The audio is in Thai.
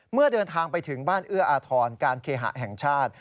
เมื่อเดินทางไปถึงบ้านเอื้ออาทรการเคหะแห่งชาติ